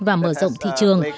và mở rộng thị trường